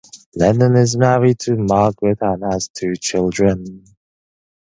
Lennon is married to Margaret and has two children.